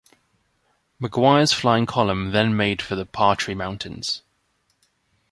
Maguire's flying column then made for the Partry Mountains.